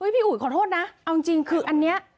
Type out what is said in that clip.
อุ๋ยขอโทษนะเอาจริงคืออันนี้